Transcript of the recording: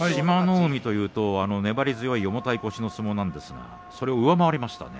海というと粘り強い重たい腰の相撲なんですが、それを上回りましたね。